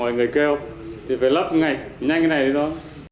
mọi người kêu thì phải lắp nhanh nhanh như này thôi